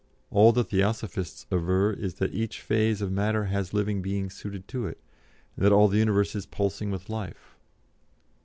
All the Theosophists aver is that each phase of matter has living things suited to it, and that all the universe is pulsing with life.